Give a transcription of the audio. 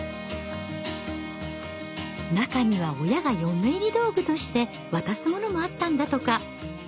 中には親が嫁入り道具として渡すものもあったんだとか。